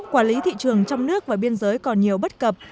quản lý thị trường trong nước và biên giới còn nhiều bất cập